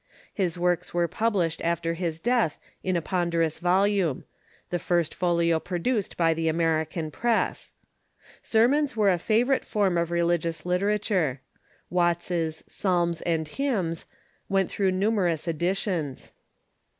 His works were published after his death in a ponderous volume — the first folio produced by the American press. Sermons were a favorite form of religious literature. Watts's " Psalms and Hymns " went through numerous edi tions.